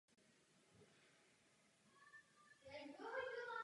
Úsporná opatření se příliš netýkají většiny silových resortů.